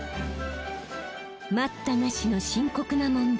待ったなしの深刻な問題